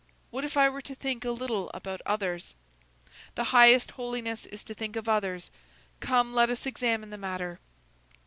What if I were to think a little about others? The highest holiness is to think of others; come, let us examine the matter.